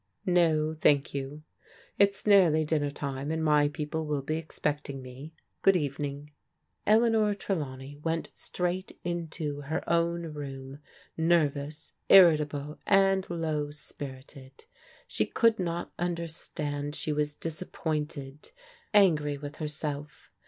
"No, thank yotu It's nearly dinner time, and my people will be expecting me. Good evening." Eleanor Trelawney went straight into her own room, nervous, irritable, and low spirited. She could not un derstand she was disappointed, angry with herself.